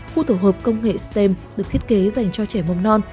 khu tổ hợp công nghệ stem được thiết kế dành cho trẻ mầm non